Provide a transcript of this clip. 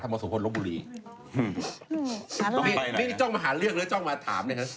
ตรงนี้จ้องมาหาเรื่องูกจ้องมาถามไหมคะ